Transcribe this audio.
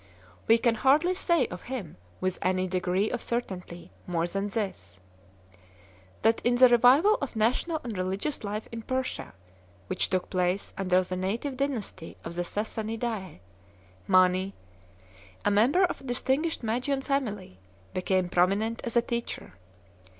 We can hardly say of him with any degree of certainty more than this : that in the revival of national and religious life in Persia which took place under the native dynasty of the Sas sanidae, Mani, a member of a distinguished Magian family, became prominent as a teacher.